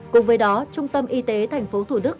cùng với đó trung tâm y tế tp thủ đức